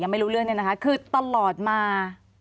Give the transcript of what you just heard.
ไม่รู้เรื่องเนี่ยนะคะคือตลอดมา